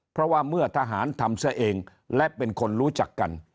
เพราะว่าเมื่อทหารทำซะเองและเป็นคนรู้จักกัน